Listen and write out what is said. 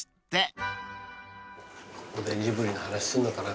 ここでジブリの話すんのかな？